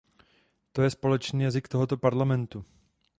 To je společný jazyk tohoto Parlamentu.